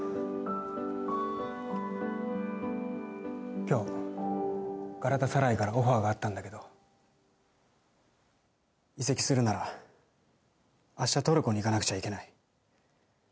今日、ガラタサライからオファーがあったんだけど移籍するなら、明日トルコに行かなくちゃいけない。